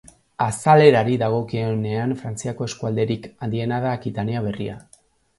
Azalerari dagokionean, Frantziako eskualderik handiena da Akitania Berria.